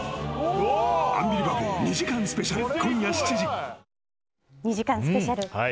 「アンビリバボー」２時間スペシャル今夜７時。